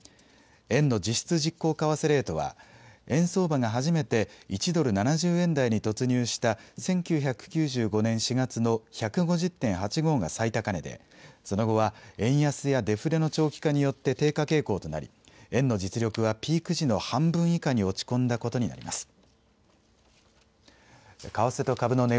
円の実質実効為替レートは、円相場が初めて１ドル７０円台に突入した１９９５年４月の１５０．８５が最高値で、その後は円安やデフレの長期化によって低下傾向となり、円の実力はピーク時の半分以下に落ち込んだことになります。